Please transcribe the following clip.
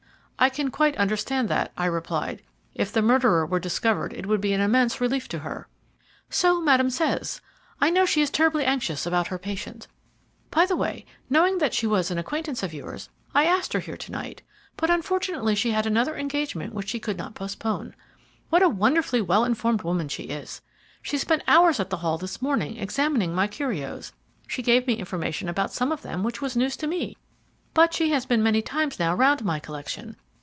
"I can quite understand that," I replied. "If the murderer were discovered it would be an immense relief to her." "So Madame says. I know she is terribly anxious about her patient. By the way, knowing that she was an acquaintance of yours, I asked her here to night, but unfortunately she had another engagement which she could not postpone. What a wonderfully well informed woman she is! She spent hours at the Hall this morning examining my curios; she gave me information about some of them which was news to me, but she has been many times now round my collection.